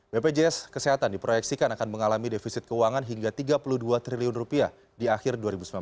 bpjs kesehatan diproyeksikan akan mengalami defisit keuangan hingga tiga puluh dua triliun rupiah di akhir dua ribu sembilan belas